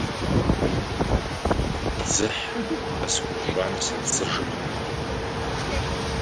Дзыхь къысхуащӀам сепцӀыжыркъым.